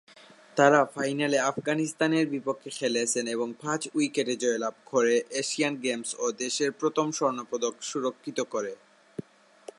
তারা ফাইনালে আফগানিস্তানের বিপক্ষে খেলেছেন এবং পাঁচ উইকেটে জয়লাভ করে, এশিয়ান গেমস এ দেশের প্রথম স্বর্ণ পদক সুরক্ষিত করে।